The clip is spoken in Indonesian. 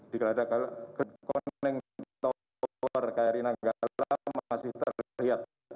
dikeladak ke kri nanggala masih terlihat